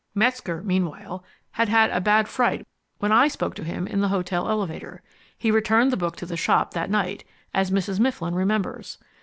Metzger, meanwhile, had had a bad fright when I spoke to him in the hotel elevator. He returned the book to the shop that night, as Mrs. Mifflin remembers.